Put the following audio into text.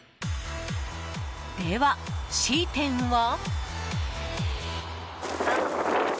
では、Ｃ店は？